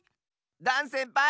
ダンせんぱい！